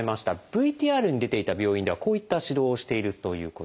ＶＴＲに出ていた病院ではこういった指導をしているということです。